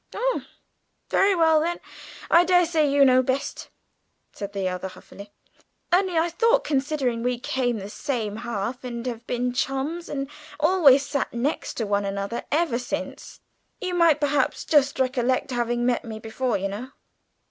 "Oh, very well, then; I daresay you know best," said the other huffily. "Only I thought considering we came the same half, and have been chums, and always sat next one another ever since you might perhaps just recollect having met me before, you know."